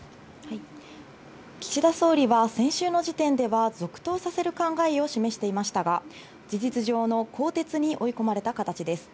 岸田総理は先週の時点では続投させる考えを示していましたが、事実上の更迭に追い込まれた形です。